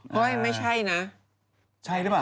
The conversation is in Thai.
ไม่ใช่นะใช่หรือเปล่า